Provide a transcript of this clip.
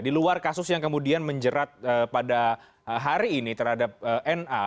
di luar kasus yang kemudian menjerat pada hari ini terhadap na